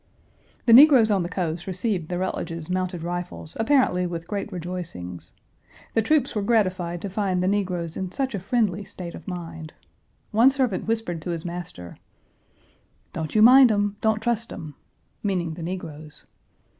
The negroes on the coast received the Rutledge's Mounted Rifles apparently with great rejoicings. The troops were gratified to find the negroes in such a friendly state of mind. One servant whispered to his master, "Don't you mind Page 205 'em, don't trust 'em" meaning the negroes.